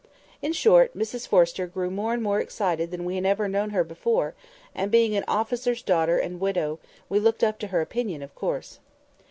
In short, Mrs Forrester grew more excited than we had ever known her before, and, being an officer's daughter and widow, we looked up to her opinion, of course.